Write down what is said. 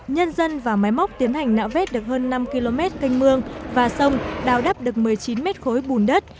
nhân dân và máy móc tiến hành nạo vết được hơn năm km canh mương và sông đào đắp được một mươi chín m ba bùn đất